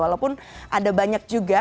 walaupun ada banyak juga